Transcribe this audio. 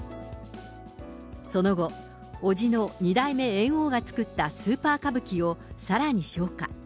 その後、伯父の二代目猿翁が作ったスーパー歌舞伎をさらに昇華。